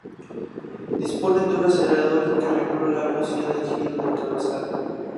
Disponen de un acelerador que regula la velocidad de giro del cabezal.